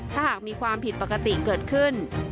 ถ้าหากมีความผิดปกติเกิดขึ้น